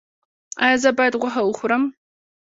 ایا زه باید غوښه وخورم؟